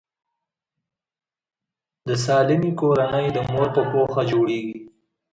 د سالمې کورنۍ د مور په پوهه جوړیږي.